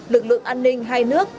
lực lượng an ninh hai nước